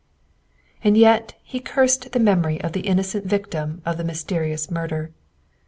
And yet he cursed the memory of the innocent victim of the mysterious murder.